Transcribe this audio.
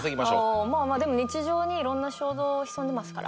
ああまあまあでも日常に色んな衝動潜んでますから。